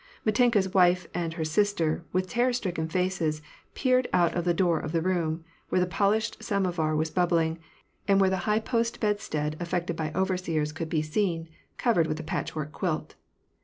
Mitenka's wife and her sister, with terror stricken faces, peered out of the door of the room, where a polished samovir was bubbling, and where the high post bedstead affected by overseers could be seen, covered with a patchwork quilt.